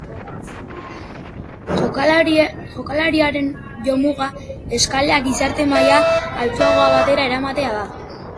Jokalariaren jomuga, eskalea gizarte-maila altuago batera eramatea da.